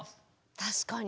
確かに。